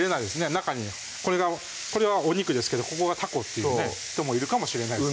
中にこれはお肉ですけどここがタコっていうね人もいるかもしれないですね